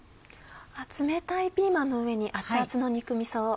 冷たいピーマンの上に熱々の肉みそを。